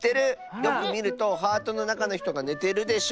よくみるとハートのなかのひとがねてるでしょ。